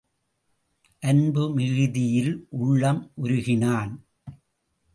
அன்பு மிகுதியில் உள்ளம் உருகினான்.